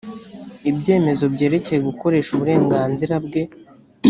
ibyemezo byerekeye gukoresha uburenganzira bwe